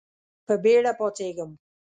په بېړه پاڅېږم .